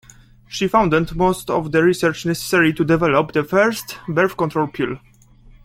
She funded most of the research necessary to develop the first birth control pill.